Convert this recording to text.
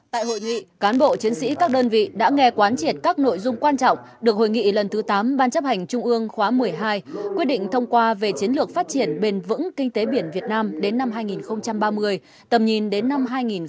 tại hội nghị cán bộ chiến sĩ các đơn vị đã nghe quán triệt các nội dung quan trọng được hội nghị lần thứ tám ban chấp hành trung ương khóa một mươi hai quyết định thông qua về chiến lược phát triển bền vững kinh tế biển việt nam đến năm hai nghìn ba mươi tầm nhìn đến năm hai nghìn bốn mươi năm